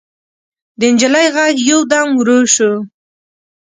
د نجلۍ غږ يودم ورو شو.